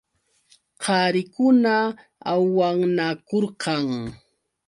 Qarikuna ahuwanakurqan.